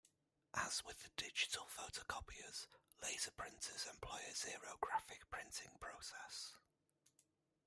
As with digital photocopiers, laser printers employ a xerographic printing process.